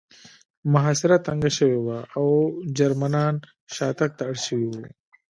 محاصره تنګه شوې وه او جرمنان شاتګ ته اړ شوي وو